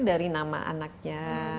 dari nama anaknya